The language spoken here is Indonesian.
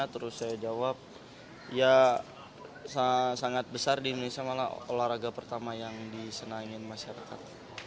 terus saya jawab ya sangat besar di indonesia malah olahraga pertama yang disenangin masyarakat